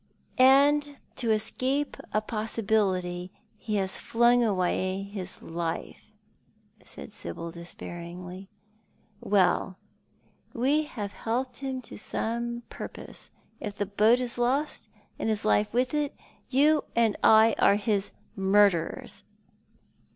" And to escape a possibility ho has flung away his life," said Sibyl, despairingly. "Well, we have helped him to some pur pose ! If the boat is lost, and his life with it, yoix and I are his murderers